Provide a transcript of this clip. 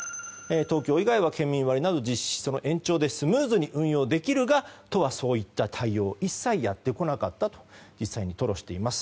東京以外は県民割など実施し、その延長でスムーズに運用できるが都はそういった対応を一切やってこなかったと吐露しています。